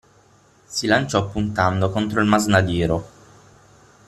Si lanciò puntando contro il masnadiero.